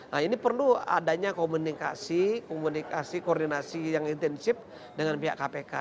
nah ini perlu adanya komunikasi komunikasi koordinasi yang intensif dengan pihak kpk